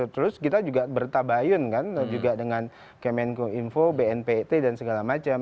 terus kita juga bertabayun kan juga dengan kemenko info bnpt dan segala macam